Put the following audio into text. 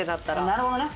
なるほどね。